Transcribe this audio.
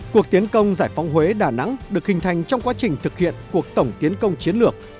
cuộc tiến công giải phóng huế đà nẵng được hình thành trong quá trình thực hiện cuộc tổng tiến công chiến lược